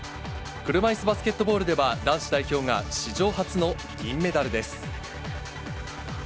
車いすバスケットボールでは、男子代表が史上初の銀メダルです。